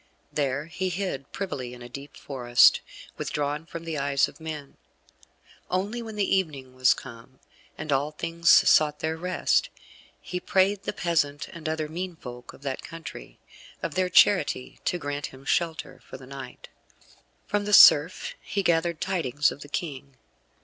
There he hid privily in the deep forest, withdrawn from the eyes of men; only when the evening was come, and all things sought their rest, he prayed the peasant and other mean folk of that country, of their charity to grant him shelter for the night. From the serf he gathered tidings of the King.